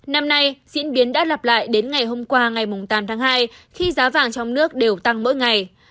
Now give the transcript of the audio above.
năm nay diễn biến đã lặp lại đến ngày hôm qua ngày tám tháng hai khi giá vàng trong nước đều tăng mỗi ngày